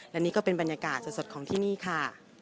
และนี่ก็เป็นบรรยากาศสดของที่นี่ค่ะ